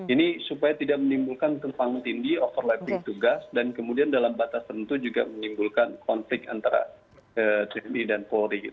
ini supaya tidak menimbulkan tumpang tindih overlapping tugas dan kemudian dalam batas tentu juga menimbulkan konflik antara tni dan polri